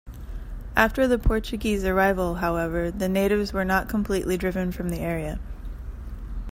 After the Portuguese arrival, however, the natives were not completely driven from the area.